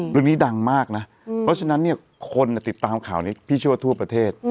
เรื่องนี้ดังมากนะเพราะฉะนั้นเนี่ยคนติดตามข่าวนี้พี่เชื่อว่าทั่วประเทศ